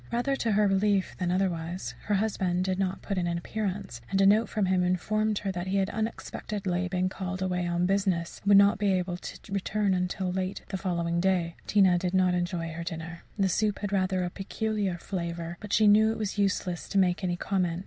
Rather to her relief than otherwise, her husband did not put in an appearance, and a note from him informed her that he had unexpectedly been called away on business and would not be able to return till late the following day. Tina did not enjoy her dinner. The soup had rather a peculiar flavour, but she knew it was useless to make any comment.